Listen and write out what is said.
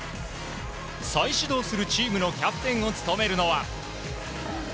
再始動するチームのキャプテンを務めるのは。